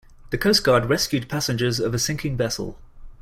The coast guard rescued passengers of a sinking vessel.